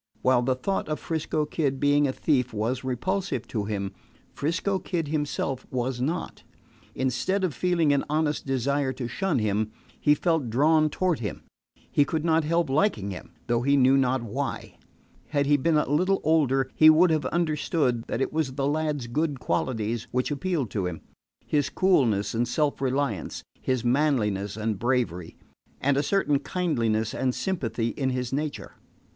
While the thought of 'Frisco Kid being a thief was repulsive to him, 'Frisco Kid himself was not. Instead of feeling an honest desire to shun him, he felt drawn toward him. He could not help liking him, though he knew not why. Had he been a little older he would have understood that it was the lad's good qualities which appealed to him his coolness and self reliance, his manliness and bravery, and a certain kindliness and sympathy in his nature.